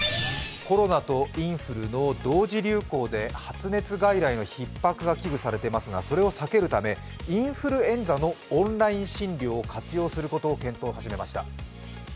コロナとインフルの同時流行で、発熱外来のひっ迫が危惧されていますがそれを裂けるためインフルエンザのオンライン診療を活用することの検討を始めました。